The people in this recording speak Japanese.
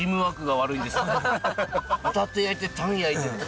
ホタテ焼いてタン焼いて。